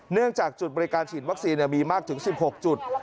จากจุดบริการฉีดวัคซีนมีมากถึง๑๖จุด